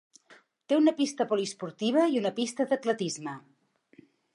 Té una pista poliesportiva i una pista d'atletisme.